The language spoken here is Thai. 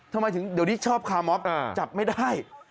ทำไมถึงเดี๋ยวนี้ชอบคาร์มอฟจับไม่ได้